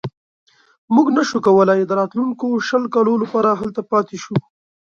موږ نه شو کولای د راتلونکو شلو کالو لپاره هلته پاتې شو.